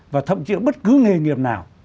và thậm chí bất cứ nghề nghiệp nào